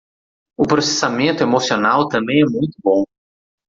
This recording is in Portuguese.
O processamento emocional também é muito bom